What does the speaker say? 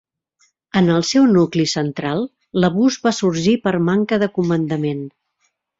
En el seu nucli central, l'abús va sorgir per manca de comandament.